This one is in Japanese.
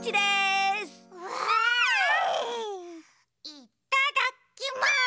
いっただきます！